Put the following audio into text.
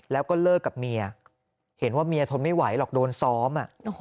แล้วก็เลิกกับเมียเห็นว่าเมียทนไม่ไหวหรอกโดนซ้อม